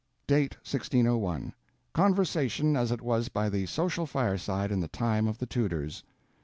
[Date, 1601.] Conversation, as it was by the Social Fireside, in the Time of the Tudors.